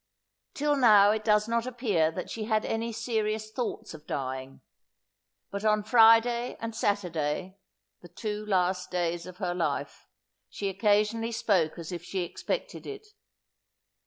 Till now it does not appear that she had any serious thoughts of dying; but on Friday and Saturday, the two last days of her life, she occasionally spoke as if she expected it.